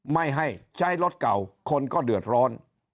ไม่ให้ใช้รถเก่าคนก็เดือดร้อน